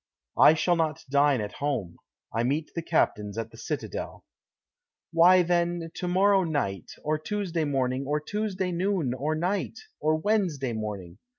"I shall not dine at home; I meet the captains at the citadel." "Why, then, to morrow night; or Tuesday morning; or Tuesday noon, or night; or Wednesday morning.